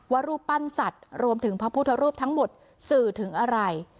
รูปปั้นสัตว์รวมถึงพระพุทธรูปทั้งหมดสื่อถึงอะไร